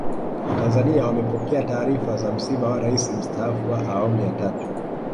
Watanzania wamepokea taarifa za msiba wa Rais Mstaafu wa Awamu ya Tatu